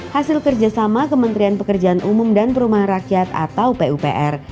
hasil kerjasama kementerian pekerjaan umum dan perumahan rakyat atau pupr